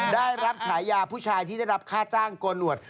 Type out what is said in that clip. ได้รับฉายาผู้ชายที่ได้รับค่าจ้างโกนหวด